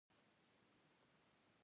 عدالت او انصاف د یوې روغې ټولنې نښه ده.